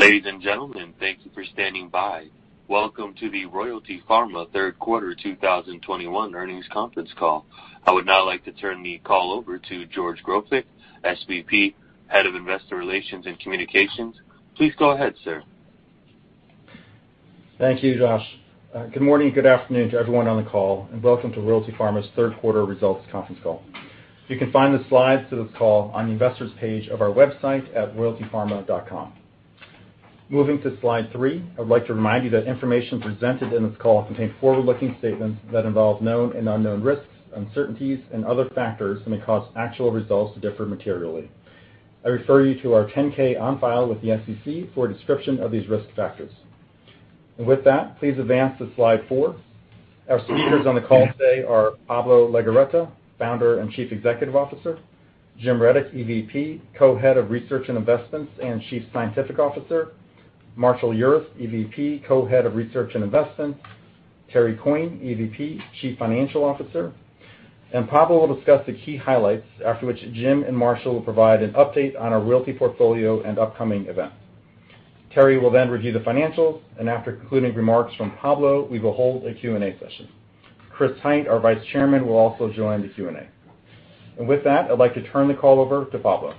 Ladies and gentlemen, thank you for standing by. Welcome to the Royalty Pharma Third Quarter 2021 Earnings Conference Call. I would now like to turn the call over to George Grofik, SVP, Head of Investor Relations and Communications. Please go ahead, sir. Thank you, Josh. Good morning and good afternoon to everyone on the call, and welcome to Royalty Pharma's third quarter results conference call. You can find the slides to this call on the investors page of our website at royaltypharma.com. Moving to slide three, I would like to remind you that information presented in this call contains forward-looking statements that involve known and unknown risks, uncertainties and other factors that may cause actual results to differ materially. I refer you to our 10-K on file with the SEC for a description of these risk factors. With that, please advance to slide four. Our speakers on the call today are Pablo Legorreta, Founder and Chief Executive Officer. Jim Reddoch, EVP, Co-Head of Research and Investments, and Chief Scientific Officer. Marshall Urist, EVP, Co-Head of Research and Investments. Terry Coyne, EVP, Chief Financial Officer. Pablo will discuss the key highlights, after which Jim and Marshall will provide an update on our royalty portfolio and upcoming events. Terry will then review the financials, and after concluding remarks from Pablo, we will hold a Q&A session. Chris Hite, our Vice Chairman, will also join the Q&A. With that, I'd like to turn the call over to Pablo.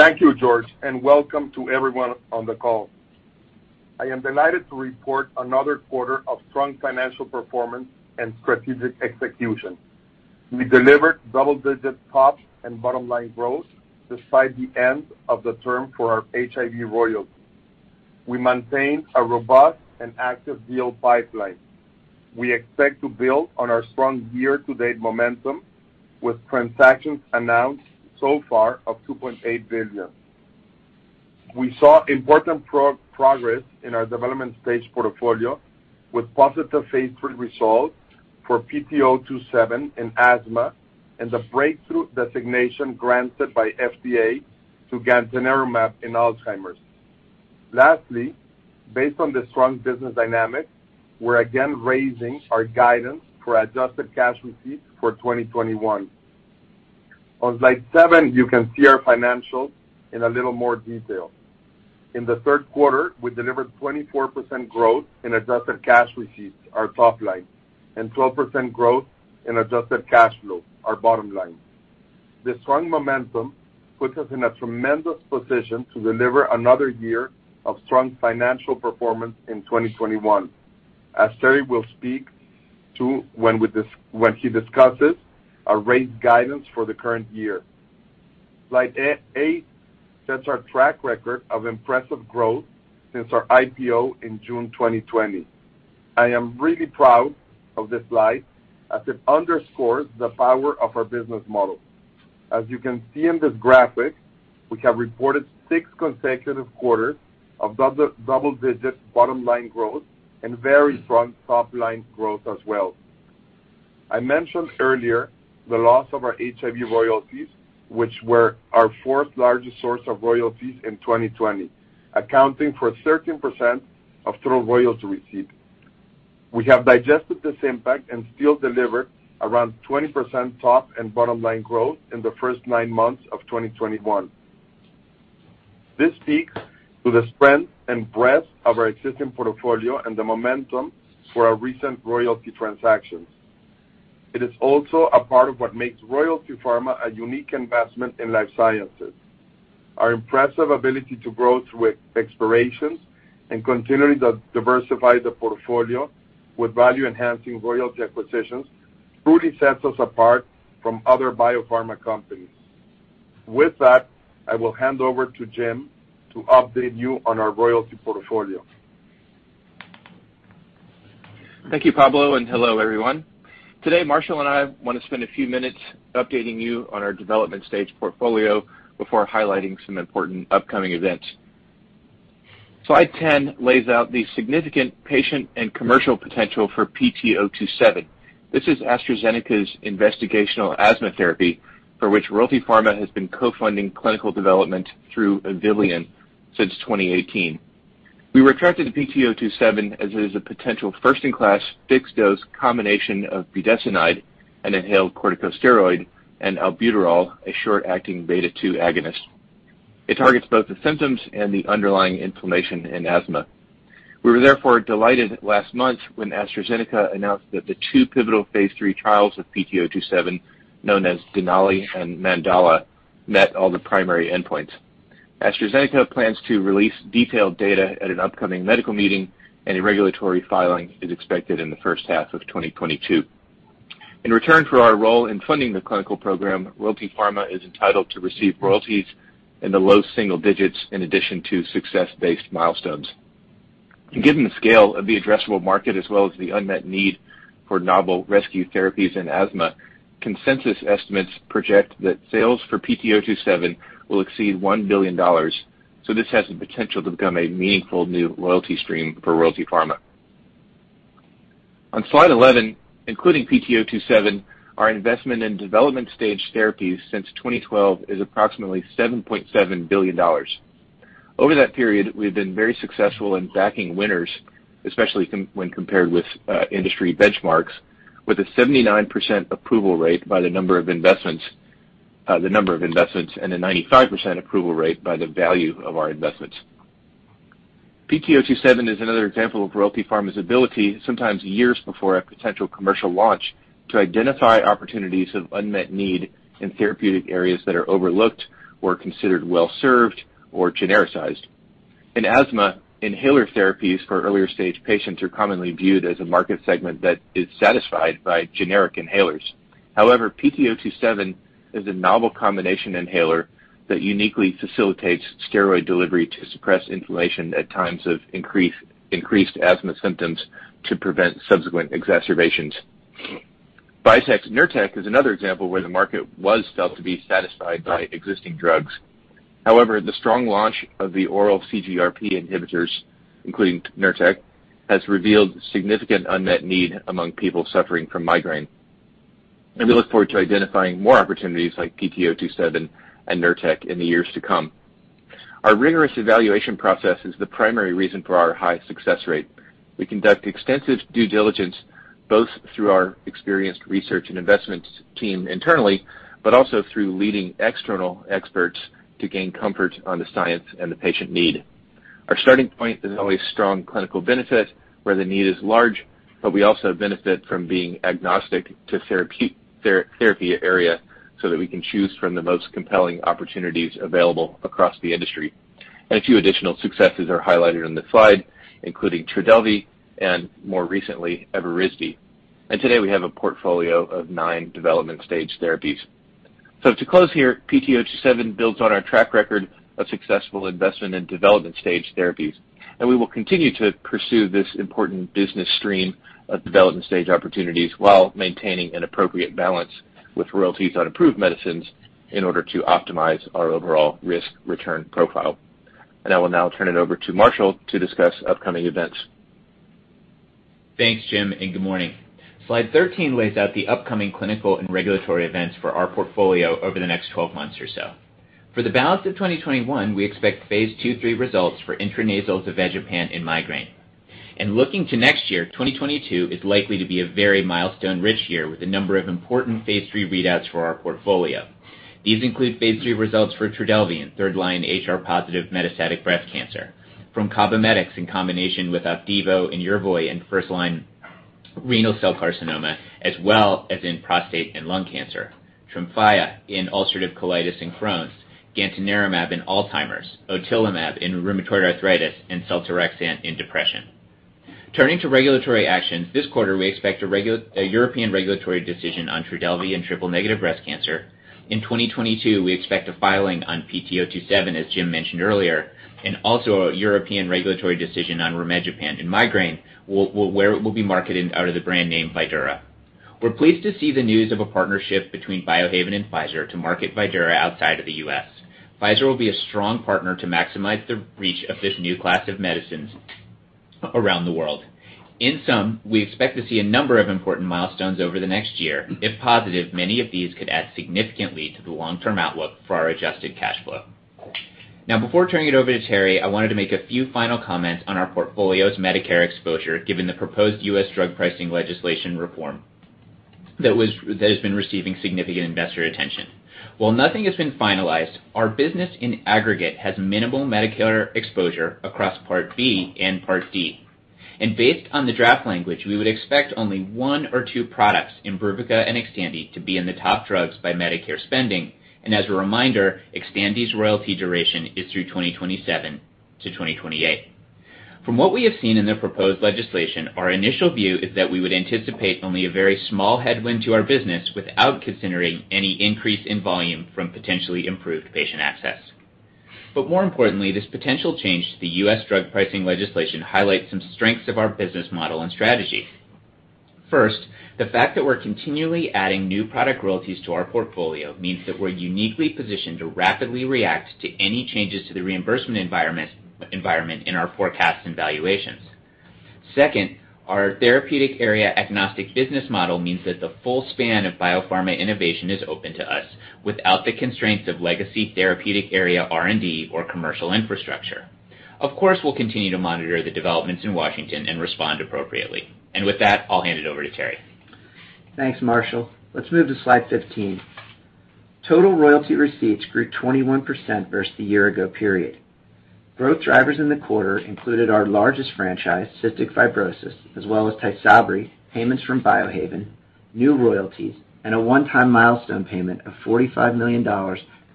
Thank you, George, and welcome to everyone on the call. I am delighted to report another quarter of strong financial performance and strategic execution. We delivered double-digit top and bottom line growth despite the end of the term for our HIV royalty. We maintained a robust and active deal pipeline. We expect to build on our strong year-to-date momentum with transactions announced so far of $2.8 billion. We saw important progress in our development stage portfolio with positive phase III results for PT027 in asthma and the breakthrough designation granted by FDA to Gantenerumab in Alzheimer's. Lastly, based on the strong business dynamics, we're again raising our guidance for adjusted cash receipts for 2021. On slide seven, you can see our financials in a little more detail. In the third quarter, we delivered 24% growth in adjusted cash receipts, our top line, and 12% growth in adjusted cash flow, our bottom line. This strong momentum puts us in a tremendous position to deliver another year of strong financial performance in 2021, as Terry will speak to when he discusses our raised guidance for the current year. Slide eight sets our track record of impressive growth since our IPO in June 2020. I am really proud of this slide as it underscores the power of our business model. As you can see in this graphic, we have reported six consecutive quarters of double-digit bottom line growth and very strong top line growth as well. I mentioned earlier the loss of our HIV royalties, which were our fourth largest source of royalties in 2020, accounting for 13% of total royalties received. We have digested this impact and still delivered around 20% top and bottom line growth in the first nine months of 2021. This speaks to the strength and breadth of our existing portfolio and the momentum for our recent royalty transactions. It is also a part of what makes Royalty Pharma a unique investment in life sciences. Our impressive ability to grow through expirations and continuing to diversify the portfolio with value-enhancing royalty acquisitions truly sets us apart from other biopharma companies. With that, I will hand over to Jim to update you on our royalty portfolio. Thank you, Pablo, and hello, everyone. Today, Marshall and I want to spend a few minutes updating you on our development stage portfolio before highlighting some important upcoming events. Slide 10 lays out the significant patient and commercial potential for PT027. This is AstraZeneca's investigational asthma therapy, for which Royalty Pharma has been co-funding clinical development through Avillion since 2018. We were attracted to PT027 as it is a potential first-in-class fixed-dose combination of budesonide, an inhaled corticosteroid, and albuterol, a short-acting beta-2 agonist. It targets both the symptoms and the underlying inflammation in asthma. We were therefore delighted last month when AstraZeneca announced that the two pivotal phase III trials of PT027, known as DENALI and MANDALA, met all the primary endpoints. AstraZeneca plans to release detailed data at an upcoming medical meeting, and a regulatory filing is expected in the first half of 2022. In return for our role in funding the clinical program, Royalty Pharma is entitled to receive royalties in the low single digits in addition to success-based milestones. Given the scale of the addressable market as well as the unmet need for novel rescue therapies in asthma, consensus estimates project that sales for PT027 will exceed $1 billion, so this has the potential to become a meaningful new royalty stream for Royalty Pharma. On slide 11, including PT027, our investment in development stage therapies since 2012 is approximately $7.7 billion. Over that period, we've been very successful in backing winners, especially when compared with industry benchmarks, with a 79% approval rate by the number of investments, and a 95% approval rate by the value of our investments. PT027 is another example of Royalty Pharma's ability, sometimes years before a potential commercial launch, to identify opportunities of unmet need in therapeutic areas that are overlooked or considered well-served or genericized. In asthma, inhaler therapies for earlier stage patients are commonly viewed as a market segment that is satisfied by generic inhalers. However, PT027 is a novel combination inhaler that uniquely facilitates steroid delivery to suppress inflammation at times of increased asthma symptoms to prevent subsequent exacerbations. Biohaven's Nurtec is another example where the market was felt to be satisfied by existing drugs. However, the strong launch of the oral CGRP inhibitors, including Nurtec, has revealed significant unmet need among people suffering from migraine. We look forward to identifying more opportunities like PT027 and Nurtec in the years to come. Our rigorous evaluation process is the primary reason for our high success rate. We conduct extensive due diligence, both through our experienced research and investments team internally, but also through leading external experts to gain comfort on the science and the patient need. Our starting point is always strong clinical benefit where the need is large, but we also benefit from being agnostic to therapy area so that we can choose from the most compelling opportunities available across the industry. A few additional successes are highlighted on this slide, including Trodelvy and more recently, Evrysdi. Today we have a portfolio of nine development stage therapies. To close here, PT027 builds on our track record of successful investment in development stage therapies, and we will continue to pursue this important business stream of development stage opportunities while maintaining an appropriate balance with royalties on approved medicines in order to optimize our overall risk-return profile. I will now turn it over to Marshall to discuss upcoming events. Thanks, Jim, and good morning. Slide 13 lays out the upcoming clinical and regulatory events for our portfolio over the next 12 months or so. For the balance of 2021, we expect phase II/III results for intranasal zavegepant in migraine. Looking to next year, 2022 is likely to be a very milestone-rich year with a number of important phase III readouts for our portfolio. These include phase III results for Trodelvy in third-line HR+ metastatic breast cancer. From CABOMETYX in combination with Opdivo and Yervoy in first-line renal cell carcinoma, as well as in prostate and lung cancer. Tremfya in ulcerative colitis and Crohn's, Gantenerumab in Alzheimer's, Otilimab in rheumatoid arthritis, and Seltorexant in depression. Turning to regulatory actions, this quarter we expect a European regulatory decision on Trodelvy in triple-negative breast cancer. In 2022, we expect a filing on PT027, as Jim mentioned earlier, and also a European regulatory decision on zavegepant in migraine where it will be marketed under the brand name Vydura. We're pleased to see the news of a partnership between Biohaven and Pfizer to market Vydura outside of the U.S. Pfizer will be a strong partner to maximize the reach of this new class of medicines around the world. In sum, we expect to see a number of important milestones over the next year. If positive, many of these could add significantly to the long-term outlook for our Adjusted Cash Flow. Now before turning it over to Terry, I wanted to make a few final comments on our portfolio's Medicare exposure, given the proposed U.S. drug pricing legislation reform that has been receiving significant investor attention. While nothing has been finalized, our business in aggregate has minimal Medicare exposure across Part B and Part D. Based on the draft language, we would expect only one or two products in IMBRUVICA and Xtandi to be in the top drugs by Medicare spending. As a reminder, Xtandi's royalty duration is through 2027-2028. From what we have seen in the proposed legislation, our initial view is that we would anticipate only a very small headwind to our business without considering any increase in volume from potentially improved patient access. More importantly, this potential change to the U.S. drug pricing legislation highlights some strengths of our business model and strategy. First, the fact that we're continually adding new product royalties to our portfolio means that we're uniquely positioned to rapidly react to any changes to the reimbursement environment in our forecasts and valuations. Second, our therapeutic area agnostic business model means that the full span of biopharma innovation is open to us without the constraints of legacy therapeutic area R&D or commercial infrastructure. Of course, we'll continue to monitor the developments in Washington and respond appropriately. With that, I'll hand it over to Terry. Thanks, Marshall. Let's move to slide 15. Total royalty receipts grew 21% versus the year ago period. Growth drivers in the quarter included our largest franchise, Cystic Fibrosis, as well as Tysabri, payments from Biohaven, new royalties, and a one-time milestone payment of $45 million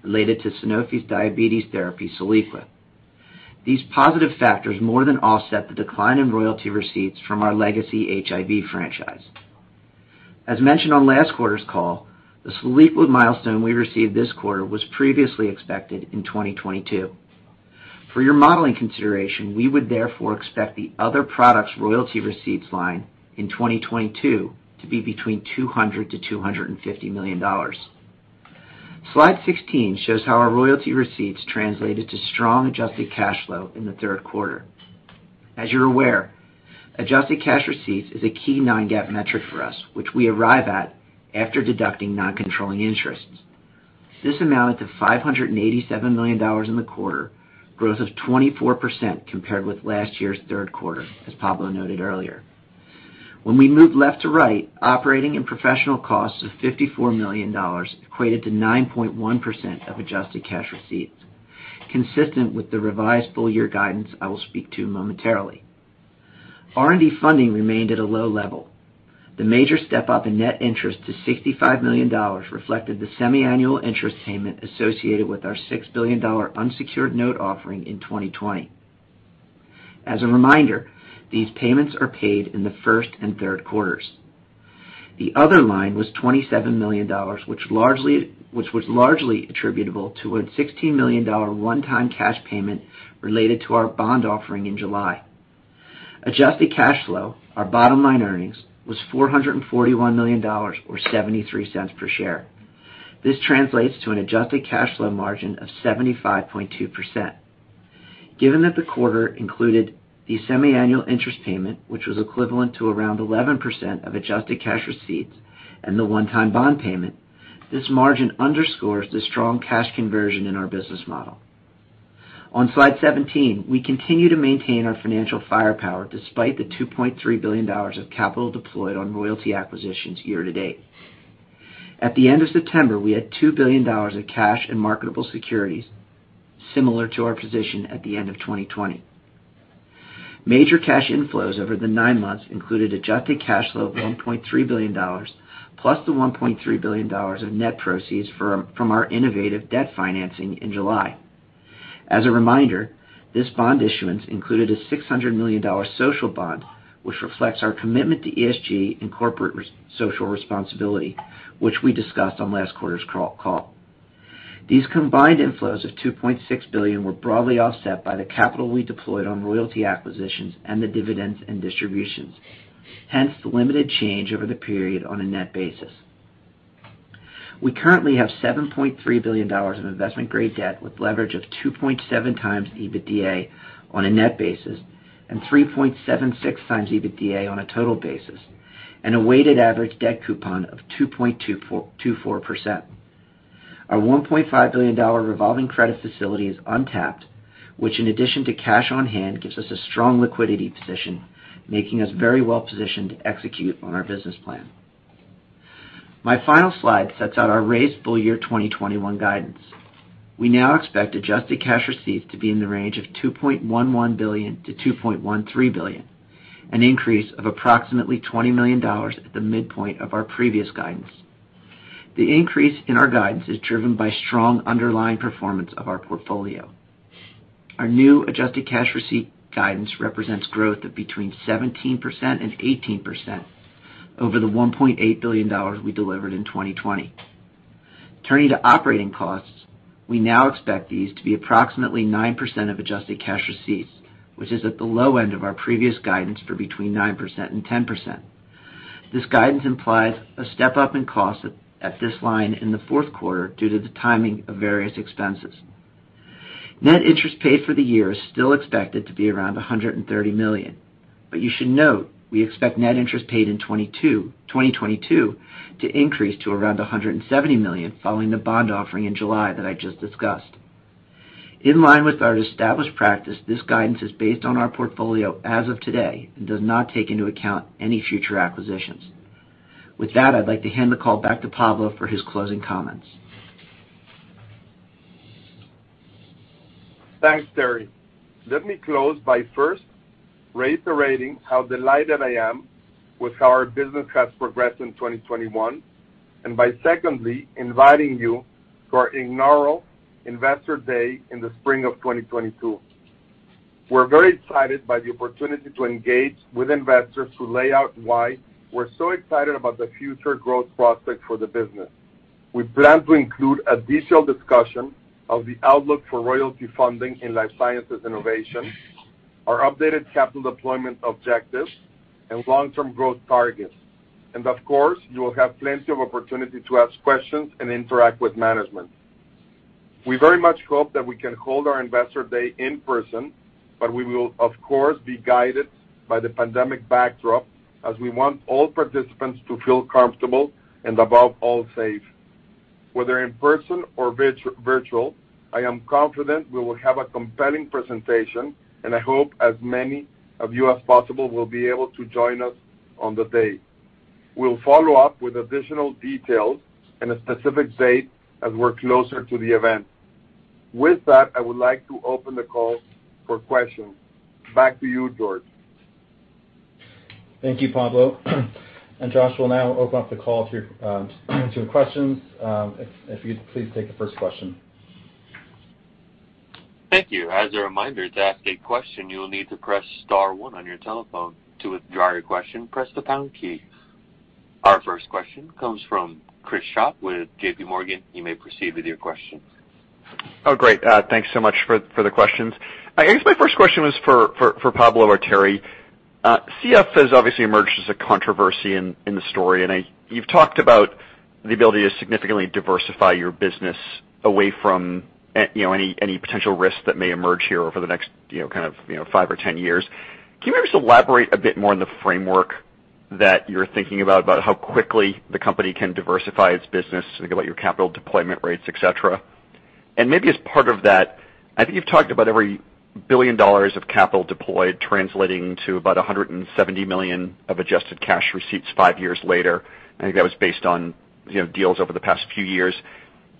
related to Sanofi's diabetes therapy, Soliqua. These positive factors more than offset the decline in royalty receipts from our legacy HIV franchise. As mentioned on last quarter's call, the Soliqua milestone we received this quarter was previously expected in 2022. For your modeling consideration, we would therefore expect the other products royalty receipts line in 2022 to be between $200 million-$250 million. Slide 16 shows how our royalty receipts translated to strong adjusted cash flow in the third quarter. As you're aware- Adjusted cash receipts is a key non-GAAP metric for us, which we arrive at after deducting non-controlling interests. This amounted to $587 million in the quarter, growth of 24% compared with last year's third quarter, as Pablo noted earlier. When we move left to right, operating and professional costs of $54 million equated to 9.1% of adjusted cash receipts, consistent with the revised full-year guidance I will speak to momentarily. R&D funding remained at a low level. The major step-up in net interest to $65 million reflected the semi-annual interest payment associated with our $6 billion unsecured note offering in 2020. As a reminder, these payments are paid in the first and third quarters. The other line was $27 million, which was largely attributable to a $16 million one-time cash payment related to our bond offering in July. Adjusted Cash Flow, our bottom line earnings, was $441 million or $0.73 per share. This translates to an Adjusted Cash Flow margin of 75.2%. Given that the quarter included the semi-annual interest payment, which was equivalent to around 11% of adjusted cash receipts and the one-time bond payment, this margin underscores the strong cash conversion in our business model. On slide 17, we continue to maintain our financial firepower despite the $2.3 billion of capital deployed on royalty acquisitions year-to-date. At the end of September, we had $2 billion of cash and marketable securities similar to our position at the end of 2020. Major cash inflows over the nine months included Adjusted Cash Flow of $1.3 billion, plus the $1.3 billion of net proceeds from our innovative debt financing in July. As a reminder, this bond issuance included a $600 million Social Bond, which reflects our commitment to ESG and corporate social responsibility, which we discussed on last quarter's call. These combined inflows of $2.6 billion were broadly offset by the capital we deployed on royalty acquisitions and the dividends and distributions. Hence, the limited change over the period on a net basis. We currently have $7.3 billion of investment-grade debt with leverage of 2.7x EBITDA on a net basis and 3.76x EBITDA on a total basis, and a weighted average debt coupon of 2.24%. Our $1.5 billion revolving credit facility is untapped, which in addition to cash on hand, gives us a strong liquidity position, making us very well-positioned to execute on our business plan. My final slide sets out our raised full year 2021 guidance. We now expect adjusted cash receipts to be in the range of $2.11 billion-$2.13 billion, an increase of approximately $20 million at the midpoint of our previous guidance. The increase in our guidance is driven by strong underlying performance of our portfolio. Our new adjusted cash receipt guidance represents growth of between 17%-18% over the $1.8 billion we delivered in 2020. Turning to operating costs, we now expect these to be approximately 9% of adjusted cash receipts, which is at the low end of our previous guidance for between 9% and 10%. This guidance implies a step-up in cost at this line in the fourth quarter due to the timing of various expenses. Net interest paid for the year is still expected to be around $130 million. You should note we expect net interest paid in 2022 to increase to around $170 million following the bond offering in July that I just discussed. In line with our established practice, this guidance is based on our portfolio as of today and does not take into account any future acquisitions. With that, I'd like to hand the call back to Pablo for his closing comments. Thanks, Terry. Let me close by first reiterating how delighted I am with how our business has progressed in 2021, and by secondly, inviting you to our inaugural Investor Day in the spring of 2022. We're very excited by the opportunity to engage with investors to lay out why we're so excited about the future growth prospects for the business. We plan to include a detailed discussion of the outlook for royalty funding in life sciences innovation, our updated capital deployment objectives, and long-term growth targets. Of course, you will have plenty of opportunity to ask questions and interact with management. We very much hope that we can hold our Investor Day in person, but we will, of course, be guided by the pandemic backdrop as we want all participants to feel comfortable and above all, safe. Whether in person or virtual, I am confident we will have a compelling presentation, and I hope as many of you as possible will be able to join us on the day. We'll follow up with additional details and a specific date as we're closer to the event. With that, I would like to open the call for questions. Back to you, George. Thank you, Pablo. Josh, we'll now open up the call to questions. If you could please take the first question. Thank you. As a reminder, to ask a question, you will need to press star one on your telephone. To withdraw your question, press the pound key. Our first question comes from Chris Schott with JPMorgan. You may proceed with your question. Oh, great. Thanks so much for the questions. I guess my first question was for Pablo or Terry. CF has obviously emerged as a controversy in the story, and you've talked about The ability to significantly diversify your business away from, you know, any potential risks that may emerge here over the next, you know, kind of, you know, five or 10 years. Can you just elaborate a bit more on the framework that you're thinking about about how quickly the company can diversify its business, think about your capital deployment rates, et cetera? Maybe as part of that, I think you've talked about every $1 billion of capital deployed translating to about $170 million of adjusted cash receipts five years later. I think that was based on, you know, deals over the past few years.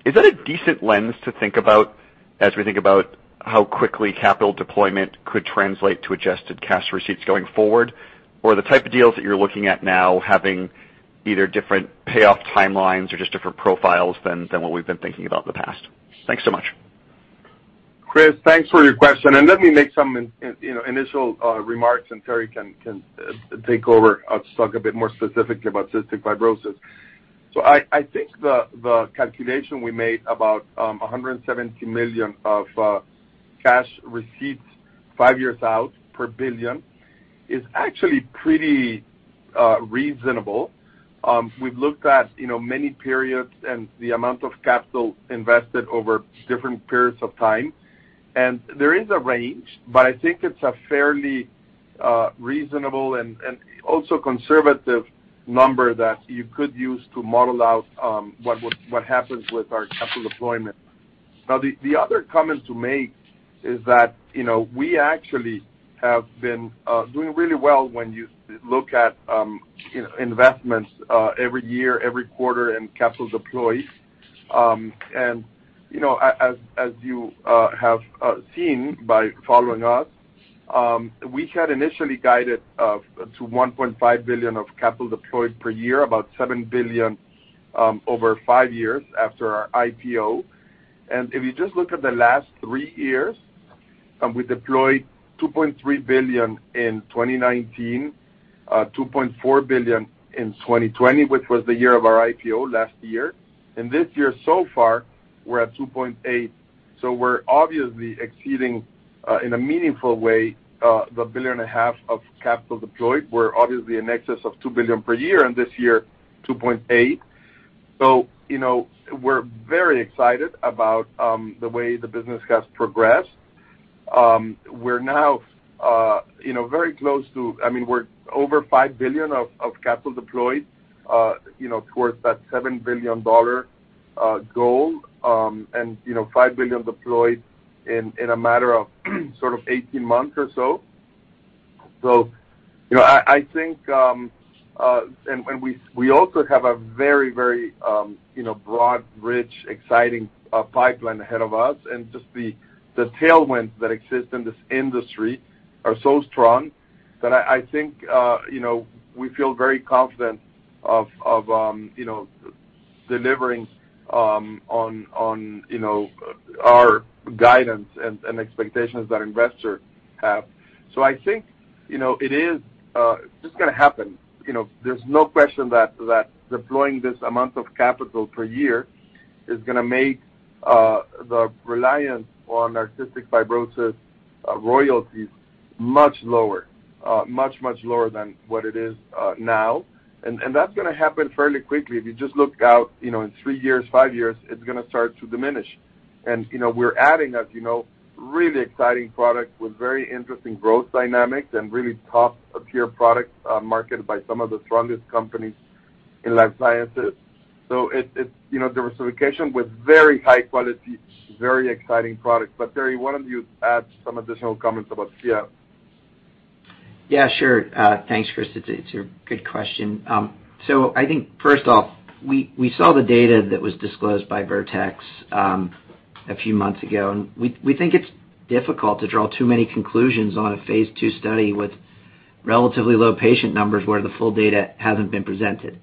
Is that a decent lens to think about as we think about how quickly capital deployment could translate to adjusted cash receipts going forward? The type of deals that you're looking at now having either different payoff timelines or just different profiles than what we've been thinking about in the past? Thanks so much. Chris, thanks for your question. Let me make some, you know, initial remarks, and Terry can take over. I'll just talk a bit more specifically about cystic fibrosis. I think the calculation we made about $170 million of cash receipts five years out per $1 billion is actually pretty reasonable. We've looked at, you know, many periods and the amount of capital invested over different periods of time. There is a range, but I think it's a fairly reasonable and also conservative number that you could use to model out what happens with our capital deployment. Now, the other comment to make is that, you know, we actually have been doing really well when you look at, you know, investments, every year, every quarter in capital deployed. You know, as you have seen by following us, we had initially guided to $1.5 billion of capital deployed per year, about $7 billion, over five years after our IPO. If you just look at the last three years, we deployed $2.3 billion in 2019, $2.4 billion in 2020, which was the year of our IPO last year. This year so far, we're at $2.8 billion. We're obviously exceeding in a meaningful way the $1.5 billion of capital deployed. We're obviously in excess of $2 billion per year, and this year, $2.8 billion. You know, we're very excited about the way the business has progressed. We're now, you know, very close to, I mean, we're over $5 billion of capital deployed, you know, towards that $7 billion goal, and, you know, $5 billion deployed in a matter of sort of 18 months or so. You know, I think, and we also have a very, you know, broad, rich, exciting pipeline ahead of us. Just the tailwinds that exist in this industry are so strong that I think, you know, we feel very confident of, you know, delivering on our guidance and expectations that investors have. I think, you know, it is just gonna happen. You know, there's no question that deploying this amount of capital per year is gonna make the reliance on our Cystic Fibrosis royalties much lower, much lower than what it is now. That's gonna happen fairly quickly. If you just look out, you know, in three years, five years, it's gonna start to diminish. You know, we're adding, as you know, really exciting products with very interesting growth dynamics and really top-of-care products marketed by some of the strongest companies in life sciences. It's, you know, diversification with very high quality, very exciting products. Terry, why don't you add some additional comments about CF? Yeah, sure. Thanks, Chris. It's a good question. So I think first off, we saw the data that was disclosed by Vertex a few months ago, and we think it's difficult to draw too many conclusions on a phase II study with relatively low patient numbers where the full data hasn't been presented.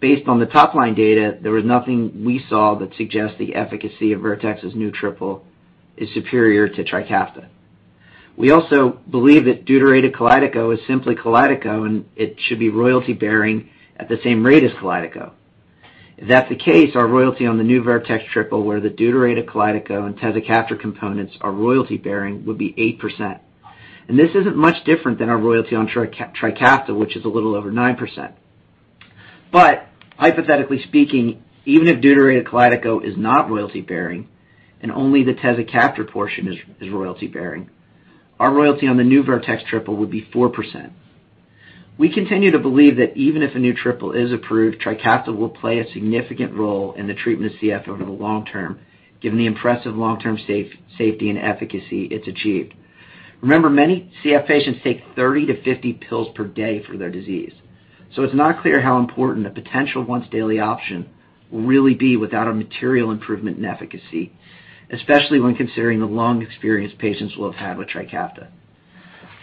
Based on the top-line data, there was nothing we saw that suggests the efficacy of Vertex's new triple is superior to Trikafta. We also believe that deuterated Kalydeco is simply Kalydeco, and it should be royalty-bearing at the same rate as Kalydeco. If that's the case, our royalty on the new Vertex triple, where the deuterated Kalydeco and tezacaftor components are royalty-bearing, would be 8%. This isn't much different than our royalty on Trikafta, which is a little over 9%. Hypothetically speaking, even if deuterated Kalydeco is not royalty-bearing and only the tezacaftor portion is royalty-bearing, our royalty on the new Vertex triple would be 4%. We continue to believe that even if a new triple is approved, Trikafta will play a significant role in the treatment of CF over the long term, given the impressive long-term safety and efficacy it's achieved. Remember, many CF patients take 30-50 pills per day for their disease, so it's not clear how important a potential once-daily option will really be without a material improvement in efficacy, especially when considering the long experience patients will have had with Trikafta.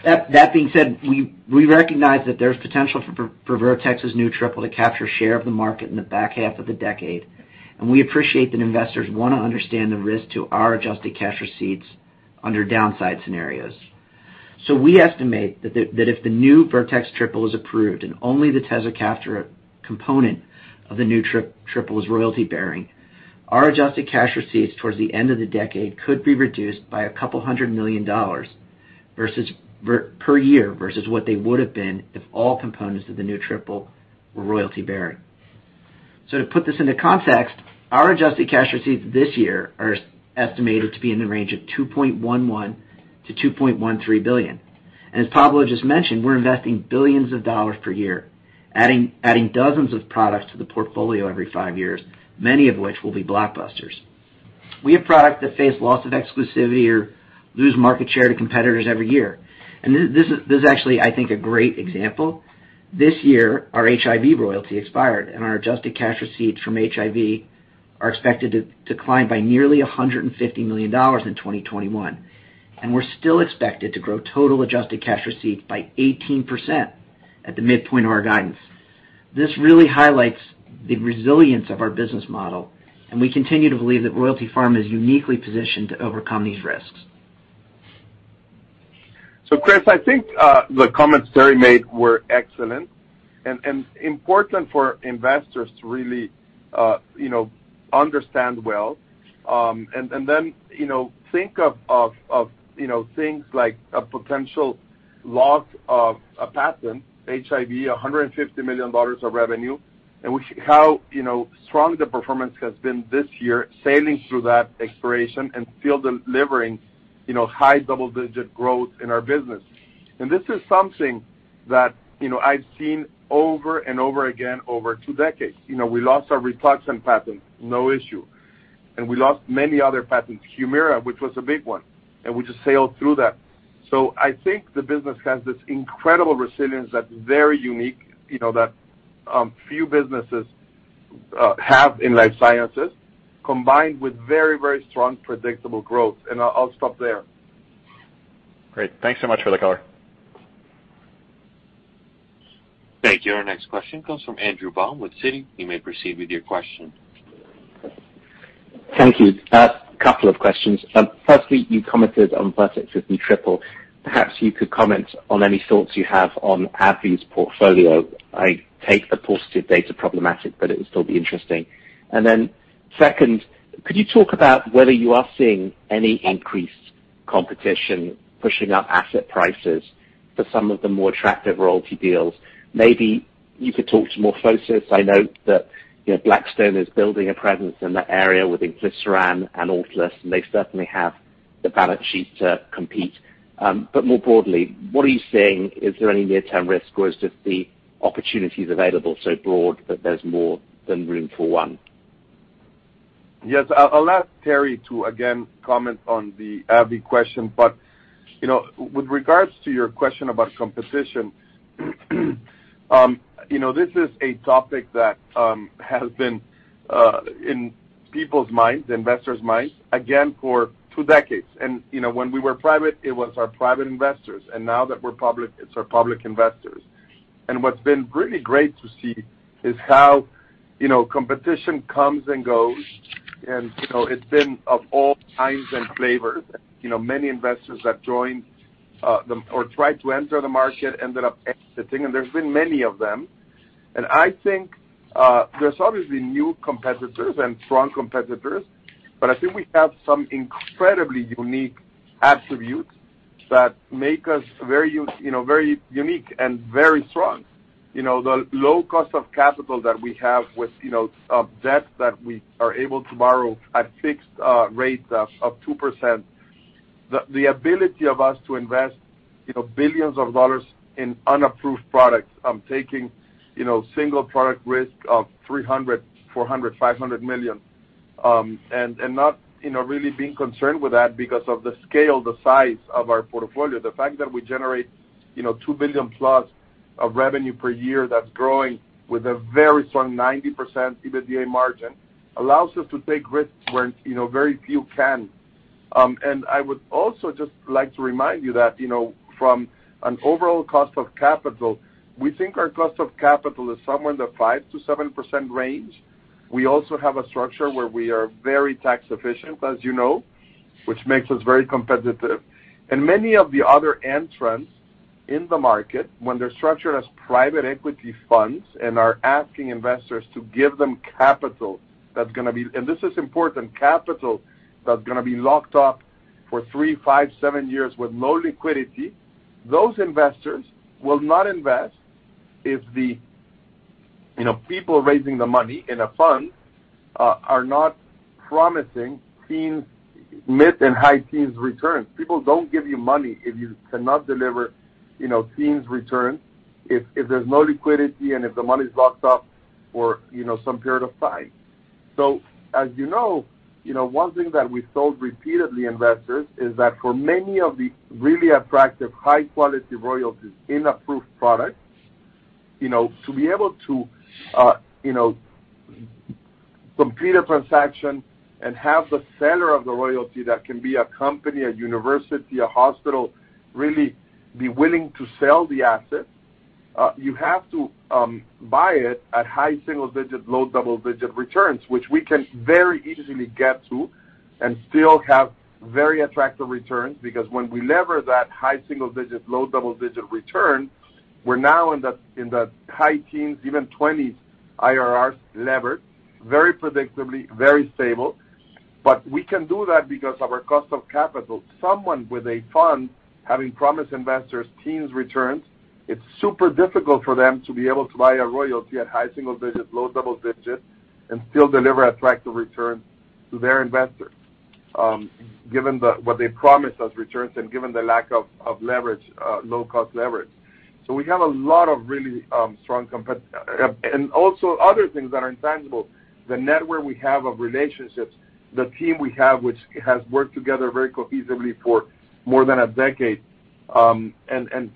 That being said, we recognize that there's potential for Vertex's new triple to capture share of the market in the back half of the decade, and we appreciate that investors wanna understand the risk to our adjusted cash receipts under downside scenarios. We estimate that if the new Vertex triple is approved and only the tezacaftor component of the new triple is royalty-bearing, our adjusted cash receipts towards the end of the decade could be reduced by a couple hundred million dollars per year versus what they would have been if all components of the new triple were royalty-bearing. To put this into context, our adjusted cash receipts this year are estimated to be in the range of $2.11 billion-$2.13 billion. As Pablo just mentioned, we're investing billions of dollars per year, adding dozens of products to the portfolio every five years, many of which will be blockbusters. We have products that face loss of exclusivity or lose market share to competitors every year. This is actually, I think, a great example. This year, our HIV royalty expired, and our adjusted cash receipts from HIV are expected to decline by nearly $150 million in 2021. We're still expected to grow total adjusted cash receipts by 18% at the midpoint of our guidance. This really highlights the resilience of our business model, and we continue to believe that Royalty Pharma is uniquely positioned to overcome these risks. Chris, I think the comments Terry made were excellent and important for investors to really, you know understand well, and then you know think of things like a potential loss of a patent, HIV, $150 million of revenue. How strong the performance has been this year, sailing through that expiration and still delivering you know high double-digit growth in our business. This is something that you know I've seen over and over again over two decades. You know, we lost our Rituxan patent, no issue. We lost many other patents, HUMIRA, which was a big one, and we just sailed through that. I think the business has this incredible resilience that's very unique, you know, that few businesses have in life sciences, combined with very, very strong, predictable growth. I'll stop there. Great. Thanks so much for the color. Thank you. Our next question comes from Andrew Baum with Citi. You may proceed with your question. Thank you. Couple of questions. Firstly, you commented on Project Fifty Triple. Perhaps you could comment on any thoughts you have on AbbVie's portfolio. I take the positive data problematic, but it would still be interesting. Second, could you talk about whether you are seeing any increased competition pushing up asset prices for some of the more attractive royalty deals? Maybe you could talk to more focus. I know that, you know, Blackstone is building a presence in that area with Clarus and Atlas, and they certainly have the balance sheet to compete. But more broadly, what are you seeing? Is there any near-term risk, or is it just the opportunities available so broad that there's more than room for one? Yes. I'll ask Terry to again comment on the AbbVie question. You know, with regards to your question about competition, you know, this is a topic that has been in people's minds, investors' minds, again, for two decades. You know, when we were private, it was our private investors. Now that we're public, it's our public investors. What's been really great to see is how, you know, competition comes and goes. You know, it's been of all kinds and flavors. You know, many investors that joined them or tried to enter the market ended up exiting, and there's been many of them. I think there's obviously new competitors and strong competitors, but I think we have some incredibly unique attributes that make us you know, very unique and very strong. You know, the low cost of capital that we have with, you know, debt that we are able to borrow at fixed rates of 2%. The ability of us to invest, you know, billions of dollars in unapproved products, taking, you know, single product risk of $300 million, $400 million, $500 million, and not, you know, really being concerned with that because of the scale, the size of our portfolio. The fact that we generate, you know, $2 billion+ of revenue per year that's growing with a very strong 90% EBITDA margin allows us to take risks where, you know, very few can. I would also just like to remind you that, you know, from an overall cost of capital, we think our cost of capital is somewhere in the 5%-7% range. We also have a structure where we are very tax efficient, as you know, which makes us very competitive. Many of the other entrants in the market, when they're structured as private equity funds and are asking investors to give them capital that's gonna be, and this is important, capital that's gonna be locked up for three, five, seven years with low liquidity, those investors will not invest if the, you know, people raising the money in a fund are not promising teens, mid- and high-teens returns. People don't give you money if you cannot deliver, you know, teens return, if there's no liquidity and if the money's locked up for, you know, some period of time. As you know, you know, one thing that we've told repeatedly investors is that for many of the really attractive high-quality royalties in approved products, you know, to be able to complete a transaction and have the seller of the royalty that can be a company, a university, a hospital, really be willing to sell the asset, you have to buy it at high single digit, low double-digit returns, which we can very easily get to and still have very attractive returns. Because when we lever that high single digit, low double digit return, we're now in the high teens, even twenties IRRs levered, very predictably, very stable. We can do that because of our cost of capital. Someone with a fund having promised investors teens returns, it's super difficult for them to be able to buy a royalty at high single digits, low double digits, and still deliver attractive returns to their investors, given that what they promised as returns and given the lack of leverage, low cost leverage. We have a lot of really strong and also other things that are intangible. The network we have of relationships, the team we have, which has worked together very cohesively for more than a decade, and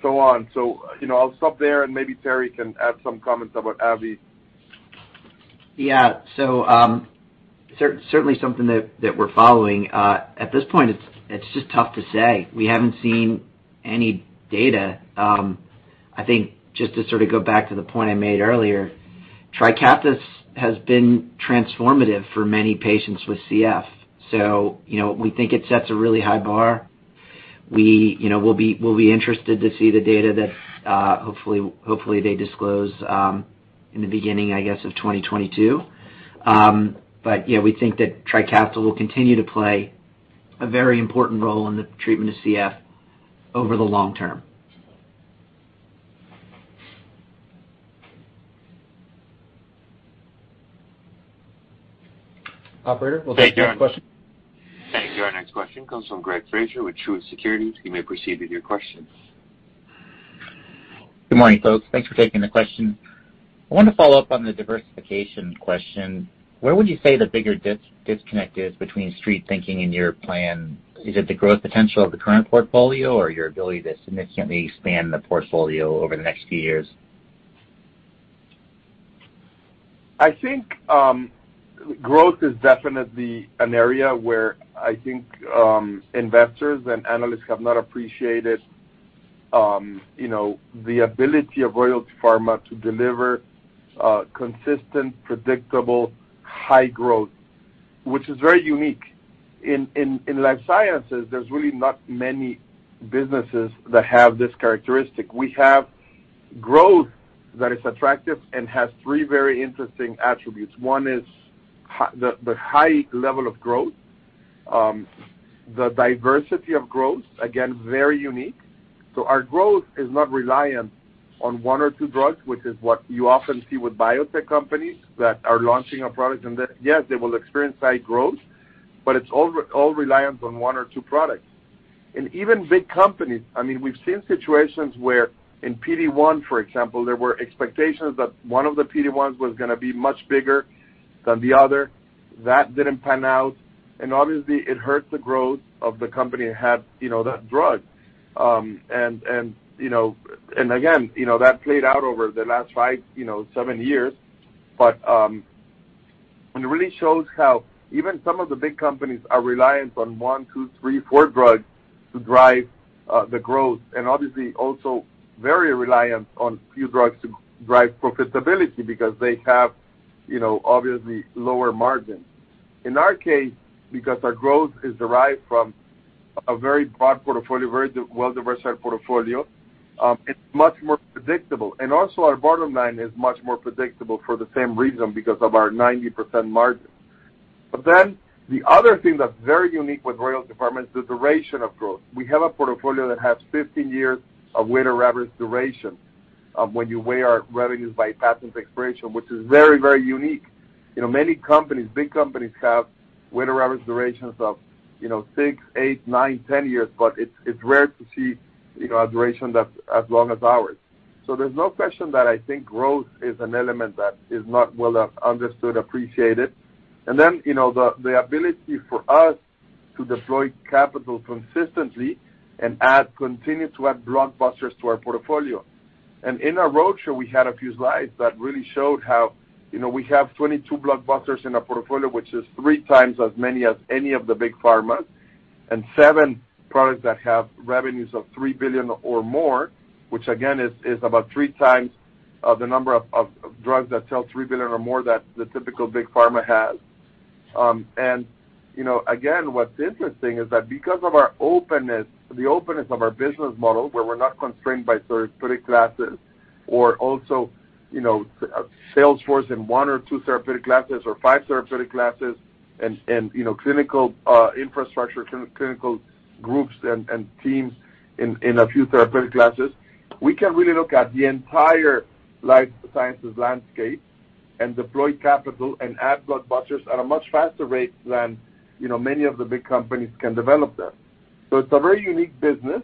so on. You know, I'll stop there and maybe Terry can add some comments about AbbVie. Certainly something that we're following. At this point, it's just tough to say. We haven't seen any data. I think just to sort of go back to the point I made earlier, Trikaftis has been transformative for many patients with CF. You know, we think it sets a really high bar. You know, we'll be interested to see the data that hopefully they disclose in the beginning, I guess, of 2022. But yeah, we think that Trikafta will continue to play a very important role in the treatment of CF over the long term. Operator, we'll take your next question. Thanks. Our next question comes from Greg Fraser with Truist Securities. You may proceed with your question. Good morning, folks. Thanks for taking the question. I want to follow up on the diversification question. Where would you say the bigger disconnect is between street thinking and your plan? Is it the growth potential of the current portfolio or your ability to significantly expand the portfolio over the next few years? I think growth is definitely an area where I think investors and analysts have not appreciated you know the ability of Royalty Pharma to deliver consistent predictable high growth which is very unique. In life sciences there's really not many businesses that have this characteristic. We have growth that is attractive and has three very interesting attributes. One is the high level of growth. The diversity of growth again very unique. So our growth is not reliant on one or two drugs which is what you often see with biotech companies that are launching a product. Yes they will experience high growth but it's all reliant on one or two products. Even big companies, I mean, we've seen situations where in PD-1, for example, there were expectations that one of the PD-1s was gonna be much bigger than the other. That didn't pan out. Obviously, it hurt the growth of the company that had, you know, that drug. And again, that played out over the last five, you know, seven years. It really shows how even some of the big companies are reliant on one, two, three, four drugs to drive the growth, and obviously also very reliant on few drugs to drive profitability because they have, you know, obviously lower margins. In our case, because our growth is derived from a very broad portfolio, very well-diversified portfolio, it's much more predictable. Also our bottom line is much more predictable for the same reason because of our 90% margin. The other thing that's very unique with Royalty Pharma is the duration of growth. We have a portfolio that has 15 years of weighted average duration of when you weigh our revenues by patent expiration, which is very, very unique. You know, many companies, big companies have weighted average durations of, you know, six, eight, nine, 10 years, but it's rare to see, you know, a duration that's as long as ours. There's no question that I think growth is an element that is not well understood, appreciated. You know, the ability for us to deploy capital consistently and continue to add blockbusters to our portfolio. In our roadshow, we had a few slides that really showed how, you know, we have 22 blockbusters in our portfolio, which is 3x as many as any of the big pharmas, and seven products that have revenues of $3 billion or more, which again is about 3x the number of drugs that sell $3 billion or more that the typical big pharma has. You know, again, what's interesting is that because of our openness, the openness of our business model, where we're not constrained by therapeutic classes or also, you know, sales force in one or two therapeutic classes or five therapeutic classes and, you know, clinical infrastructure, clinical groups and teams in a few therapeutic classes, we can really look at the entire life sciences landscape and deploy capital and add blockbusters at a much faster rate than, you know, many of the big companies can develop them. It's a very unique business.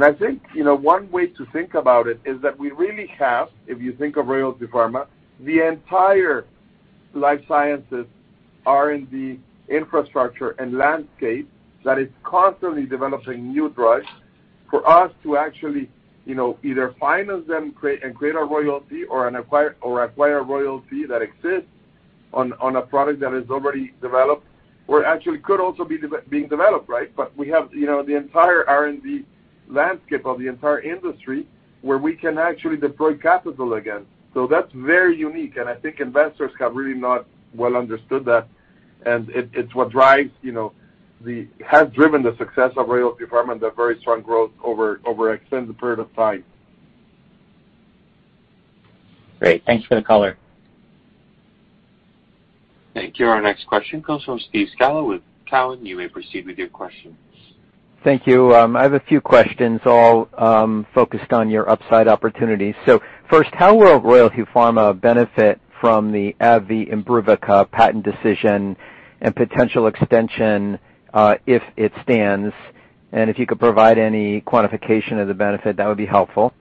I think, you know, one way to think about it is that we really have, if you think of Royalty Pharma, the entire life sciences R&D infrastructure and landscape that is constantly developing new drugs for us to actually, you know, either finance them, create a royalty or acquire a royalty that exists on a product that is already developed or actually could also be being developed, right? We have, you know, the entire R&D landscape of the entire industry where we can actually deploy capital again. That's very unique, and I think investors have really not well understood that. It's what drives, you know, has driven the success of Royalty Pharma and the very strong growth over extended period of time. Great. Thanks for the color. Thank you. Our next question comes from Steve Scala with Cowen. You may proceed with your questions. Thank you. I have a few questions all, focused on your upside opportunities. First, how will Royalty Pharma benefit from the AbbVie IMBRUVICA patent decision and potential extension, if it stands? And if you could provide any quantification of the benefit, that would be helpful?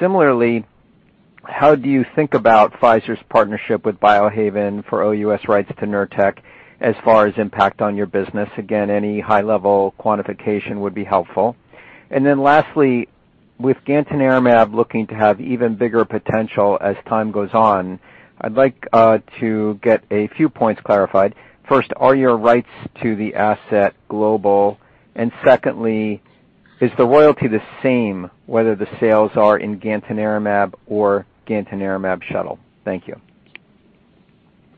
Similarly, how do you think about Pfizer's partnership with Biohaven for OUS right to Nurtec as far as impact on your business? Again, any high level quantification would be helpful? Lastly, with Gantanerumab looking to have even bigger potential as time goes on, I'd like to get a few points clarified. First, are your rights to the asset global? And secondly, is the royalty the same whether the sales are in Gantanerumab or Gantanerumab shuttle? Thank you.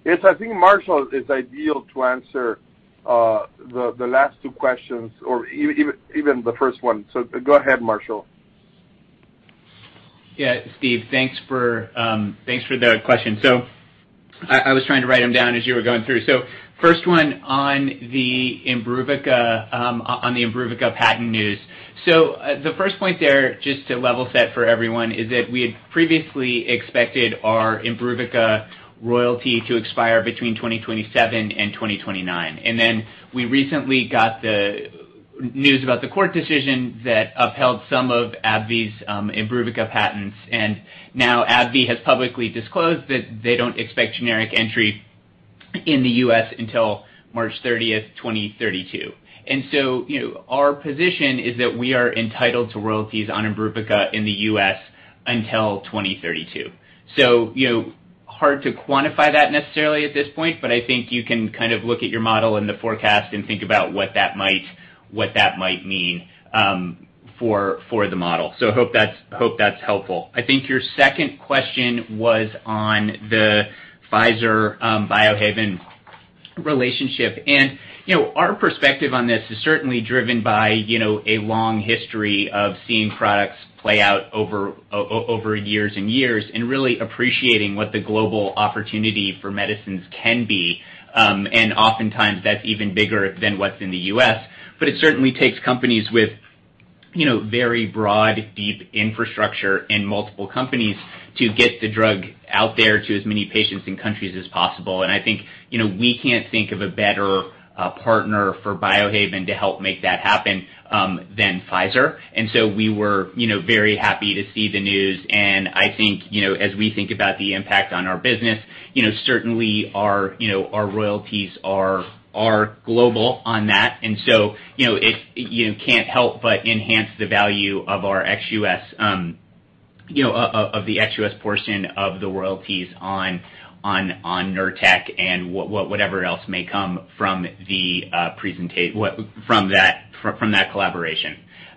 Yes, I think Marshall is ideal to answer the last two questions or even the first one. Go ahead, Marshall. Yeah, Steve, thanks for the question. I was trying to write them down as you were going through. First one on the IMBRUVICA patent news. The first point there, just to level set for everyone, is that we had previously expected our IMBRUVICA royalty to expire between 2027 and 2029. We recently got the news about the court decision that upheld some of AbbVie's IMBRUVICA patents. Now AbbVie has publicly disclosed that they don't expect generic entry in the U.S. until March 30th, 2032. You know, our position is that we are entitled to royalties on IMBRUVICA in the U.S. until 2032. You know, hard to quantify that necessarily at this point, but I think you can kind of look at your model and the forecast and think about what that might mean for the model. Hope that's helpful. I think your second question was on the Pfizer Biohaven relationship. You know, our perspective on this is certainly driven by a long history of seeing products play out over years and years, and really appreciating what the global opportunity for medicines can be. Oftentimes that's even bigger than what's in the US. It certainly takes companies with very broad, deep infrastructure in multiple countries to get the drug out there to as many patients and countries as possible. I think, you know, we can't think of a better partner for Biohaven to help make that happen than Pfizer. We were, you know, very happy to see the news. I think, you know, as we think about the impact on our business, you know, certainly our royalties are global on that. You know, it, you know, can't help but enhance the value of our ex-U.S., you know, of the ex-U.S. portion of the royalties on Nurtec and whatever else may come from that collaboration.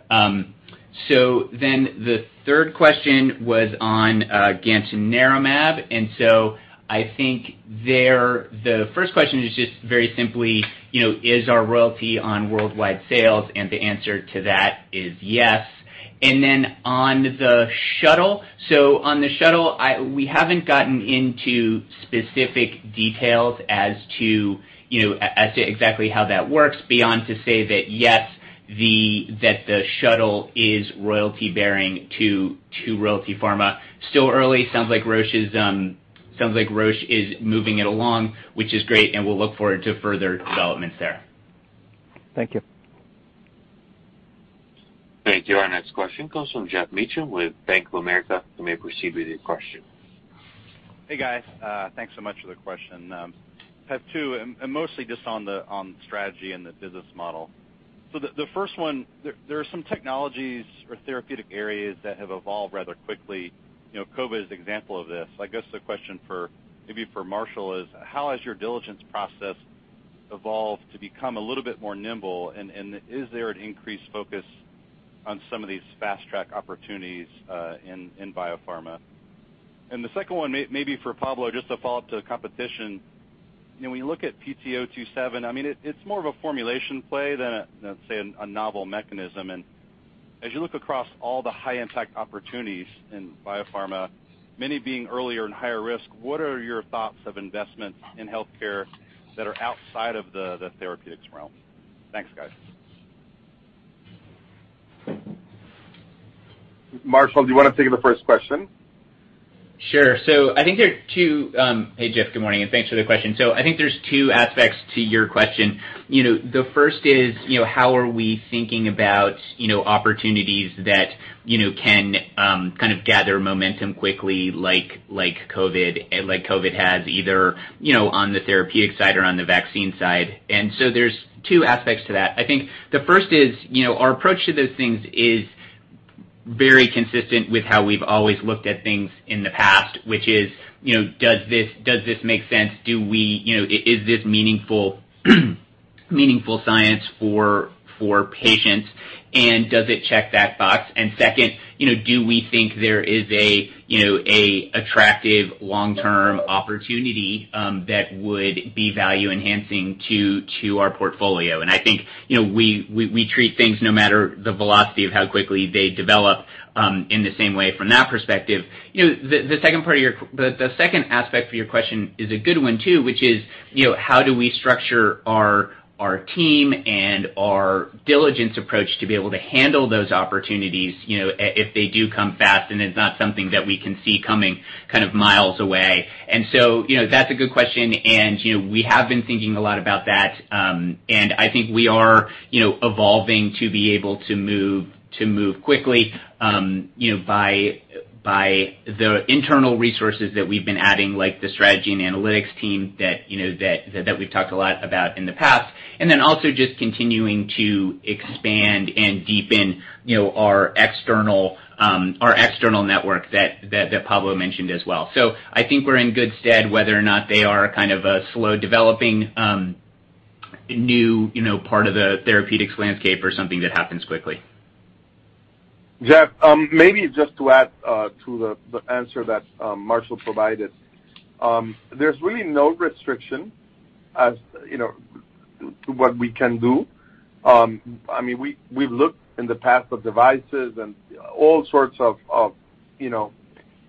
The third question was on Gantanerumab. I think there the first question is just very simply, you know, is our royalty on worldwide sales? The answer to that is yes. On the shuttle. On the shuttle, we haven't gotten into specific details as to, you know, as to exactly how that works beyond to say that, yes, that the shuttle is royalty bearing to Royalty Pharma. Still early. Sounds like Roche is moving it along, which is great, and we'll look forward to further developments there. Thank you. Thank you. Our next question comes from Geoff Meacham with Bank of America. You may proceed with your question. Hey, guys. Thanks so much for the question. I have two, and mostly just on the strategy and the business model. So the first one, there are some technologies or therapeutic areas that have evolved rather quickly. You know, COVID is an example of this. I guess the question for maybe for Marshall is how has your diligence process evolved to become a little bit more nimble? And is there an increased focus on some of these fast track opportunities in biopharma? And the second one maybe for Pablo, just to follow up to the competition. You know, when you look at PT027, I mean, it's more of a formulation play than a, than, say, a novel mechanism. As you look across all the high impact opportunities in biopharma, many being earlier and higher risk, what are your thoughts of investments in healthcare that are outside of the therapeutics realm? Thanks, guys. Marshall, do you wanna take the first question? Hey, Geoff, good morning, and thanks for the question. I think there's two aspects to your question. You know, the first is, you know, how are we thinking about, you know, opportunities that, you know, can kind of gather momentum quickly like COVID has either, you know, on the therapeutic side or on the vaccine side. There's two aspects to that. I think the first is, you know, our approach to those things is very consistent with how we've always looked at things in the past, which is, you know, does this make sense? You know, is this meaningful science for patients, and does it check that box? Second, you know, do we think there is a, you know, an attractive long-term opportunity that would be value enhancing to our portfolio? I think, you know, we treat things no matter the velocity of how quickly they develop in the same way from that perspective. You know, the second aspect for your question is a good one too, which is, you know, how do we structure our team and our diligence approach to be able to handle those opportunities, you know, if they do come fast and it's not something that we can see coming kind of miles away? You know, that's a good question, and, you know, we have been thinking a lot about that. I think we are, you know, evolving to be able to move quickly, you know, by the internal resources that we've been adding, like the strategy and analytics team that we've talked a lot about in the past. Then also just continuing to expand and deepen, you know, our external network that Pablo mentioned as well. I think we're in good stead whether or not they are kind of a slow developing new, you know, part of the therapeutics landscape or something that happens quickly. Geoff, maybe just to add to the answer that Marshall provided. There's really no restriction as, you know, to what we can do. I mean, we've looked in the past at devices and all sorts of, you know,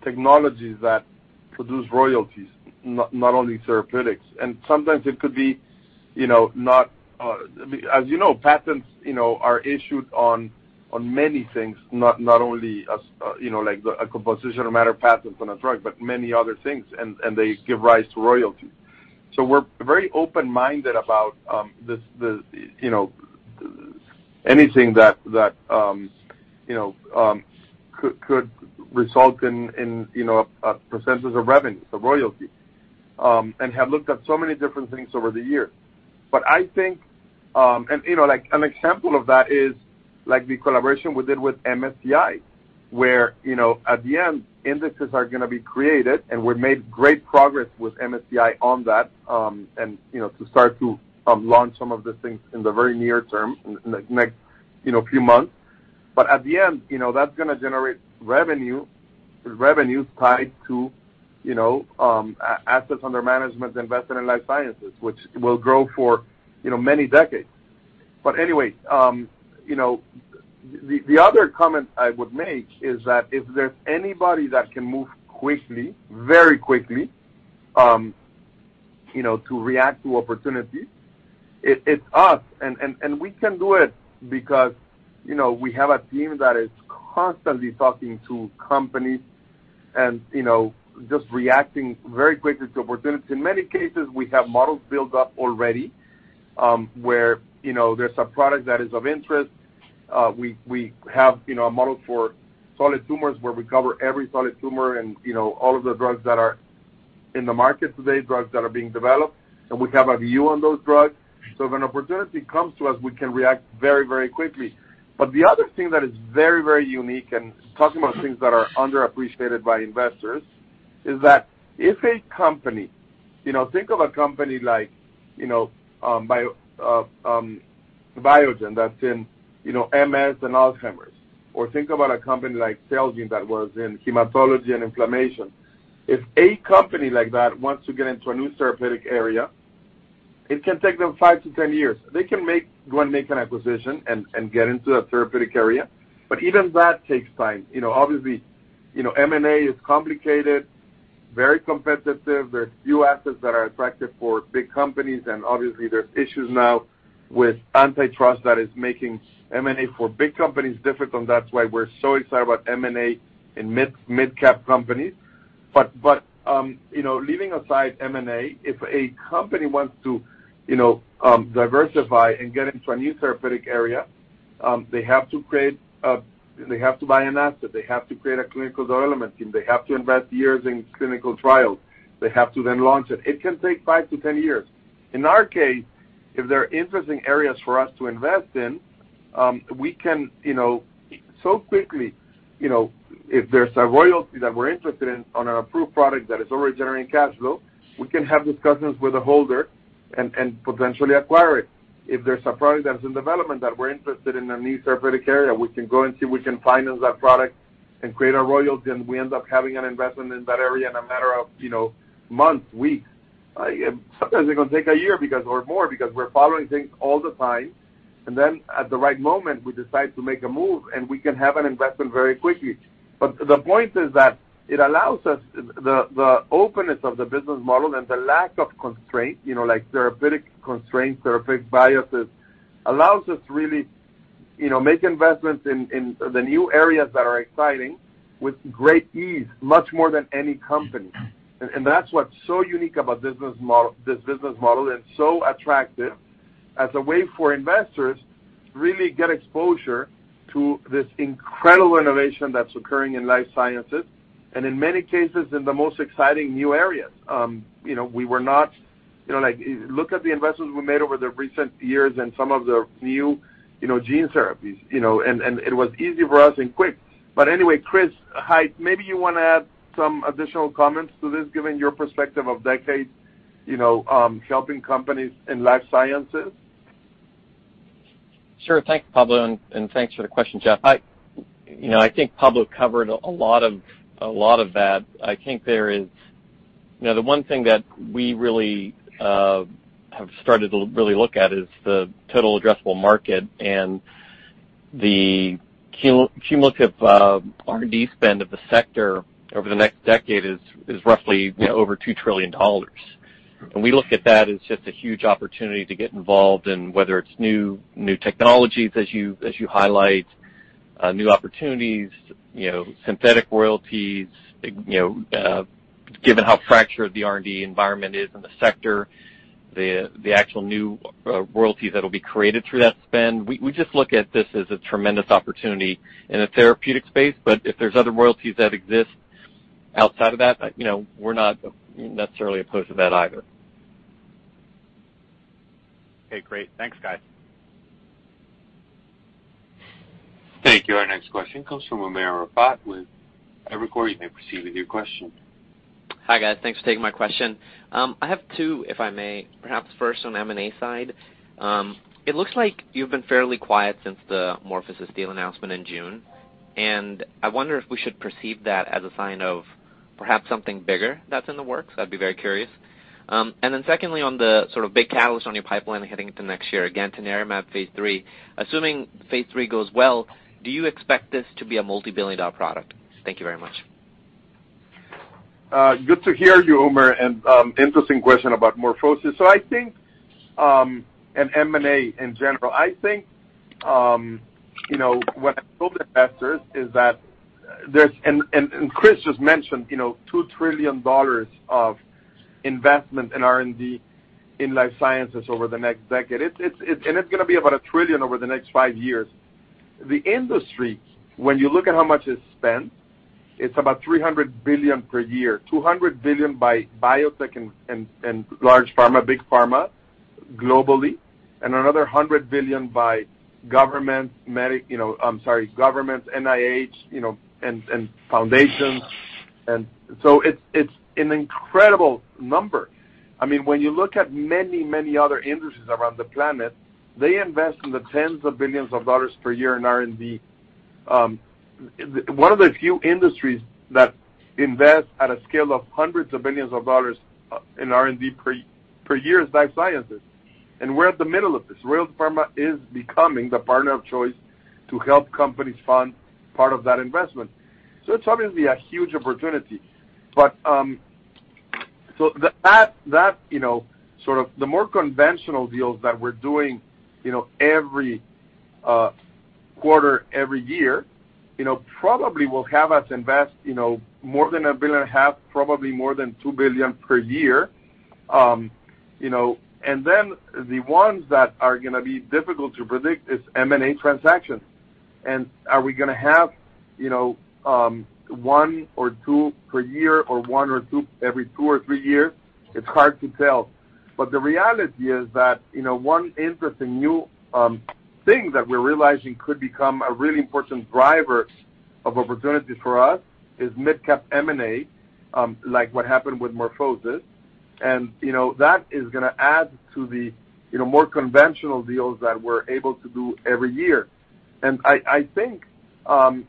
technologies that produce royalties, not only therapeutics. Sometimes it could be, you know, not, as you know, patents, you know, are issued on many things, not only as, you know, like the a composition of matter patents on a drug, but many other things, and they give rise to royalties. We're very open-minded about this, the, you know, anything that could result in a percentage of revenue, a royalty. And have looked at so many different things over the years. I think, and, you know, like an example of that is like the collaboration we did with MSCI, where, you know, at the end, indexes are gonna be created, and we've made great progress with MSCI on that, and, you know, to start to launch some of the things in the very near term in the next, you know, few months. At the end, you know, that's gonna generate revenue, revenues tied to, you know, assets under management invested in life sciences, which will grow for, you know, many decades. Anyway, you know, the other comment I would make is that if there's anybody that can move quickly, very quickly, you know, to react to opportunities, it's us. We can do it because, you know, we have a team that is constantly talking to companies and, you know, just reacting very quickly to opportunities. In many cases, we have models built up already, where, you know, there's a product that is of interest. We have, you know, a model for solid tumors where we cover every solid tumor and, you know, all of the drugs that are in the market today, drugs that are being developed, and we have a view on those drugs. When opportunity comes to us, we can react very, very quickly. The other thing that is very, very unique and talking about things that are underappreciated by investors is that if a company, you know, think of a company like, you know, Biogen that's in, you know, MS and Alzheimer's, or think about a company like Celgene that was in hematology and inflammation. If a company like that wants to get into a new therapeutic area, it can take them five to 10 years. They can go and make an acquisition and get into a therapeutic area. Even that takes time. You know, obviously, you know, M&A is complicated, very competitive. There's few assets that are attractive for big companies, and obviously, there's issues now with antitrust that is making M&A for big companies difficult, and that's why we're so excited about M&A in mid-cap companies. Leaving aside M&A, if a company wants to, you know, diversify and get into a new therapeutic area, they have to buy an asset, they have to create a clinical development team, they have to invest years in clinical trials, they have to then launch it. It can take five to 10 years. In our case, if there are interesting areas for us to invest in, we can, you know, so quickly, you know, if there's a royalty that we're interested in on an approved product that is already generating cash flow, we can have discussions with the holder and potentially acquire it. If there's a product that is in development that we're interested in a new therapeutic area, we can go and see if we can finance that product and create a royalty, and we end up having an investment in that area in a matter of, you know, months, weeks. Sometimes it can take a year because, or more, because we're following things all the time. Then at the right moment, we decide to make a move, and we can have an investment very quickly. The point is that it allows us the openness of the business model and the lack of constraint, you know, like therapeutic constraints, therapeutic biases, allows us really, you know, make investments in the new areas that are exciting with great ease, much more than any company. That's what's so unique about business model, this business model and so attractive as a way for investors to really get exposure to this incredible innovation that's occurring in life sciences and, in many cases, in the most exciting new areas. You know, like, look at the investments we made over the recent years and some of the new, you know, gene therapies, you know, and it was easy for us and quick. Anyway, Chris Hite, maybe you wanna add some additional comments to this, given your perspective of decades, you know, helping companies in life sciences? Sure. Thanks, Pablo, and thanks for the question, Geoff. You know, I think Pablo covered a lot of that. I think there is. Now, the one thing that we really have started to really look at is the total addressable market and the cumulative R&D spend of the sector over the next decade is roughly, you know, over $2 trillion. We look at that as just a huge opportunity to get involved in whether it's new technologies as you highlight, new opportunities, you know, synthetic royalties, you know, given how fractured the R&D environment is in the sector, the actual new royalties that will be created through that spend. We just look at this as a tremendous opportunity in a therapeutic space. If there's other royalties that exist outside of that, you know, we're not necessarily opposed to that either. Okay, great. Thanks, guys. Thank you. Our next question comes from Umer Raffat with Evercore. You may proceed with your question. Hi, guys. Thanks for taking my question. I have two, if I may, perhaps first on M&A side? It looks like you've been fairly quiet since the MorphoSys deal announcement in June, and I wonder if we should perceive that as a sign of perhaps something bigger that's in the work?. I'd be very curious. Secondly, on the sort of big catalyst on your pipeline heading into next year, Gantanerumab phase III. Assuming phase III goes well, do you expect this to be a multi-billion dollar product? Thank you very much. Good to hear you, Umer, and interesting question about MorphoSys, I think and M&A in general, I think you know what I told investors is that there's and Chris just mentioned, you know, $2 trillion of investment in R&D in life sciences over the next decade. It's gonna be about $1 trillion over the next five years. The industry, when you look at how much is spent, it's about $300 billion per year, $200 billion by biotech and large pharma, big pharma globally, and another $100 billion by governments, NIH, you know, and foundations. It's an incredible number. I mean, when you look at many, many other industries around the planet, they invest in the tens of billions of dollars per year in R&D. One of the few industries that invest at a scale of hundreds of billions of dollars in R&D per year is life sciences. We're at the middle of this. Royalty Pharma is becoming the partner of choice to help companies fund part of that investment. It's obviously a huge opportunity. You know, sort of the more conventional deals that we're doing, you know, every quarter, every year, you know, probably will have us invest, you know, more than $1.5 billion, probably more than $2 billion per year. You know, and then the ones that are gonna be difficult to predict is M&A transactions. Are we gonna have, you know, one or two per year or one or two every two or three years? It's hard to tell. The reality is that, you know, one interesting new thing that we're realizing could become a really important driver of opportunity for us is midcap M&A, like what happened with MorphoSys. You know, that is gonna add to the, you know, more conventional deals that we're able to do every year. I think,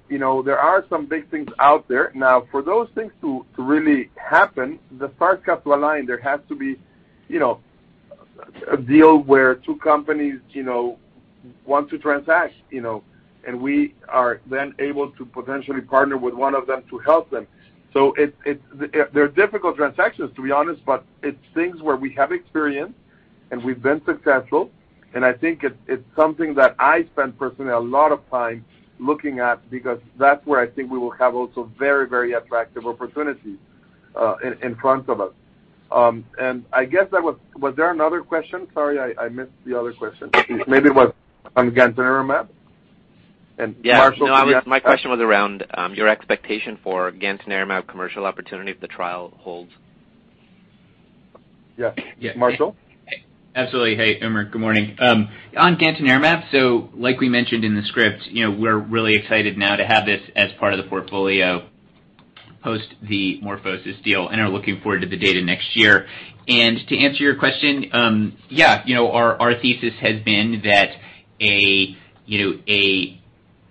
you know, there are some big things out there. Now, for those things to really happen, the starts have to align. There has to be, you know, a deal where two companies, you know, want to transact, you know, and we are then able to potentially partner with one of them to help them. It's they're difficult transactions, to be honest, but it's things where we have experience, and we've been successful, and I think it's something that I spend personally a lot of time looking at because that's where I think we will have also very, very attractive opportunities in front of us. I guess that was, was there another question? Sorry, I missed the other question. Maybe it was on Gantanerumab. Marshall- Yeah. No, my question was around your expectation for Gantanerumab commercial opportunity if the trial holds. Yeah. Marshall? Absolutely. Hey, Umer. Good morning. On Gantanerumab, like we mentioned in the script, you know, we're really excited now to have this as part of the portfolio post the MorphoSys deal and are looking forward to the data next year. To answer your question, yeah, you know, our thesis has been that a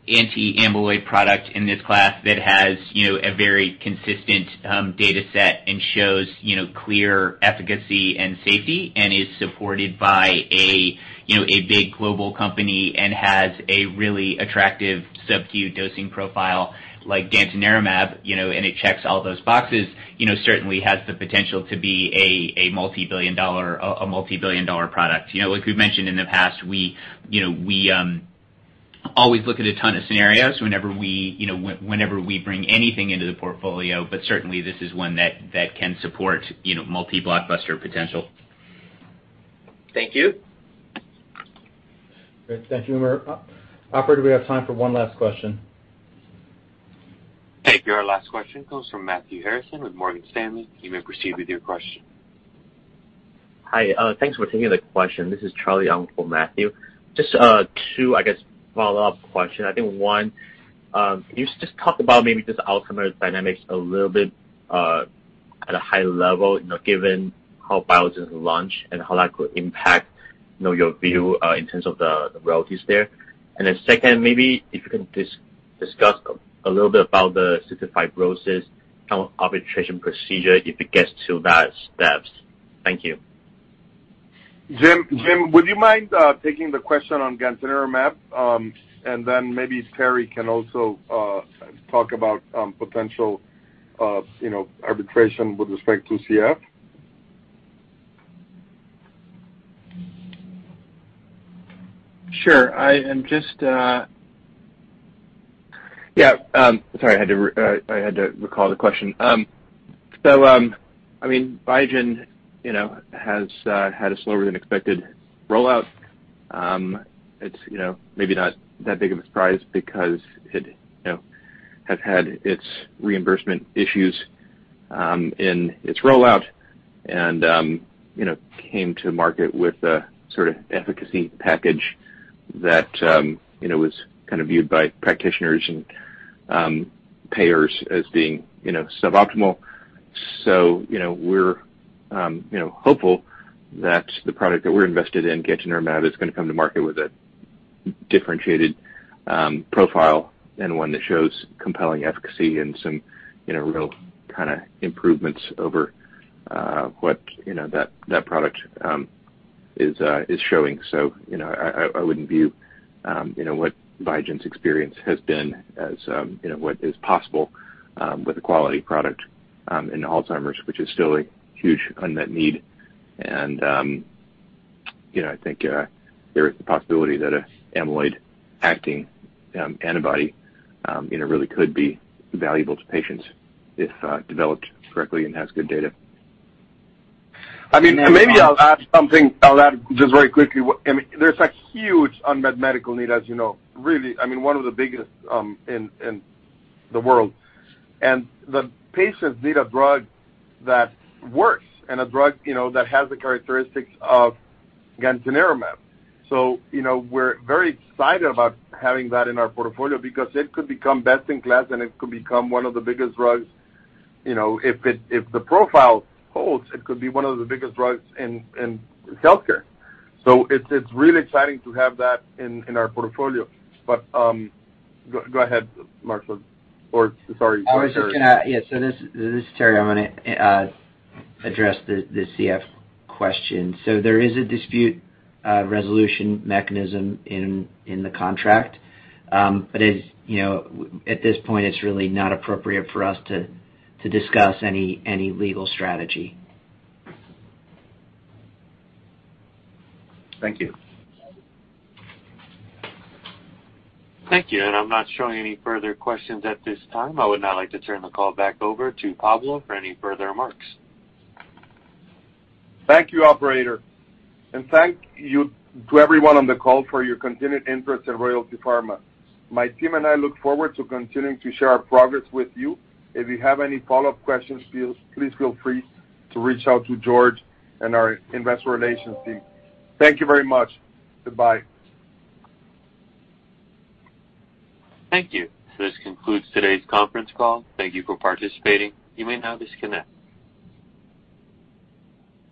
anti-amyloid product in this class that has, you know, a very consistent data set and shows, you know, clear efficacy and safety and is supported by a big global company and has a really attractive sub-Q dosing profile like Gantanerumab, you know, and it checks all those boxes, you know, certainly has the potential to be a multi-billion dollar product. You know, like we've mentioned in the past, we, you know, always look at a ton of scenarios whenever we, you know, bring anything into the portfolio, but certainly this is one that can support, you know, multi-blockbuster potential. Thank you. Great. Thank you, Umer. Operator, we have time for one last question. Thank you. Our last question comes from Matthew Harrison with Morgan Stanley. You may proceed with your question. Hi. Thanks for taking the question. This is Charlie on for Matthew. Just, two, I guess, follow-up question. I think, one, can you just talk about maybe just Alzheimer's dynamics a little bit, at a high level, you know, given how Biogen's is launched and how that could impact, you know, your view, in terms of the royalties there? Second, maybe if you can discuss a little bit about the cystic fibrosis arbitration procedure, if it gets to those steps. Thank you. Jim, would you mind taking the question on Gantanerumab, and then maybe Terry can also talk about potential, you know, arbitration with respect to CF? Sure. Yeah, sorry, I had to recall the question. I mean, Biogen, you know, has had a slower than expected rollout. It's, you know, maybe not that big of a surprise because it, you know, has had its reimbursement issues in its rollout and, you know, came to market with a sort of efficacy package that, you know, was kind of viewed by practitioners and payers as being, you know, suboptimal. You know, we're, you know, hopeful that the product that we're invested in, Gantanerumab, is gonna come to market with a differentiated profile and one that shows compelling efficacy and some, you know, real kinda improvements over what, you know, that product is showing. You know, I wouldn't view you know, what Biogen's experience has been as you know, what is possible with a quality product in Alzheimer's, which is still a huge unmet need. You know, I think there is the possibility that an amyloid-acting antibody you know, really could be valuable to patients if developed correctly and has good data. I mean, maybe I'll add something. I'll add just very quickly. I mean, there's a huge unmet medical need, as you know, really, I mean, one of the biggest in the world. The patients need a drug that works and a drug, you know, that has the characteristics of Gantanerumab. You know, we're very excited about having that in our portfolio because it could become best in class, and it could become one of the biggest drugs. You know, if the profile holds, it could be one of the biggest drugs in healthcare. It's really exciting to have that in our portfolio. Go ahead, Marshall. Or sorry, Terry. This is Terry. I'm gonna address the CF question. There is a dispute resolution mechanism in the contract. As you know, at this point, it's really not appropriate for us to discuss any legal strategy. Thank you. Thank you. I'm not showing any further questions at this time. I would now like to turn the call back over to Pablo for any further remarks. Thank you, operator. Thank you to everyone on the call for your continued interest in Royalty Pharma. My team and I look forward to continuing to share our progress with you. If you have any follow-up questions, please feel free to reach out to George and our investor relations team. Thank you very much. Goodbye. Thank you. This concludes today's conference call. Thank you for participating. You may now disconnect.